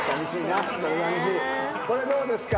これどうですか？